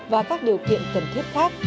và các điều kiện cần thiết khác